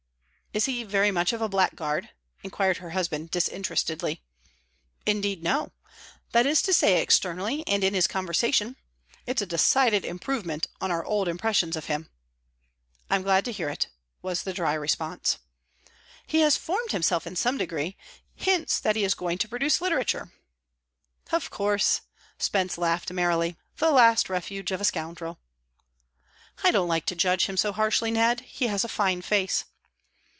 "Is he very much of a blackguard?" inquired her husband, disinterestedly. "Indeed, no. That is to say, externally and in his conversation. It's a decided improvement on our old impressions of him." "I'm glad to hear it," was the dry response. "He has formed himself in some degree. Hints that he is going to produce literature." "Of course." Spence laughed merrily. "The last refuge of a scoundrel." "I don't like to judge him so harshly, Ned. He has a fine face."